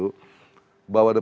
bahwa di persidangan adalah